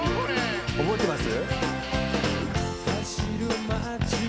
覚えてます？」